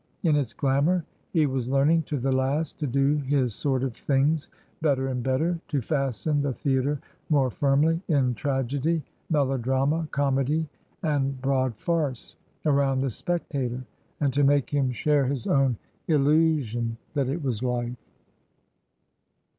In its glamour he was learning to the last to do his sort of things better and better, to fasten the theatre more firmly, in tragedy, melodrama, comedy, and broad farce, around the spectator, and to make him share his own illusion that it was life.